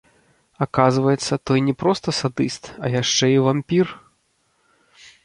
Аказваецца, той не проста садыст, а яшчэ і вампір.